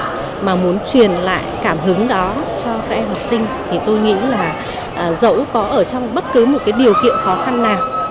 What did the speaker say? cảm hứng đó cho các em học sinh thì tôi nghĩ là dẫu có ở trong bất cứ một điều kiện khó khăn nào